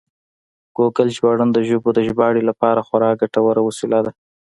ګوګل ژباړن د ژبو د ژباړې لپاره خورا ګټور وسیله ده.